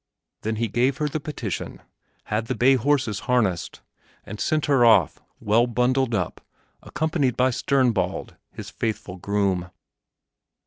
Then he gave her the petition, had the bay horses harnessed, and sent her off, well bundled up, accompanied by Sternbald, his faithful groom.